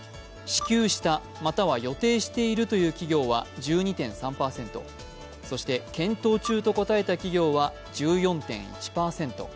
支給した、または予定しているという企業は１２．３％、そして検討中と答えた企業は１４．１％。